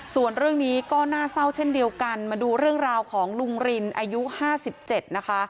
ส่วนเรื่องนี้ก็น่าเศร้าเช่นเดียวกันมาดูเรื่องราวของลุงรินอายุ๕๗นะคะ